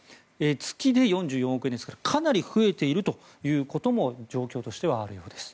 月で４４億円ですからかなり増えているということも状況としてあるようです。